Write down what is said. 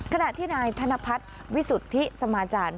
ขณะที่นายธนพัฒน์วิสุทธิสมาจารย์